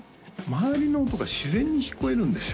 周りの音が自然に聞こえるんですよ